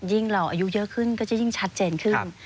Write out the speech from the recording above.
เราอายุเยอะขึ้นก็จะยิ่งชัดเจนขึ้น